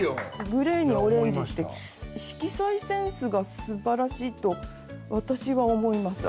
グレーにオレンジって色彩センスがすばらしいと私は思います。